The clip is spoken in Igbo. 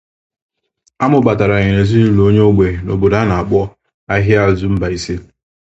Amụ batara ya na ezinụlọ onye ogbenye na obodo a n'akpọ Ahiazu-Mbaise.